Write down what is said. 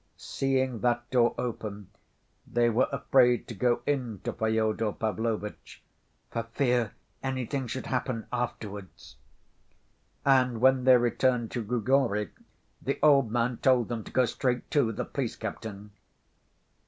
Seeing that door open, they were afraid to go in to Fyodor Pavlovitch "for fear anything should happen afterwards." And when they returned to Grigory, the old man told them to go straight to the police captain.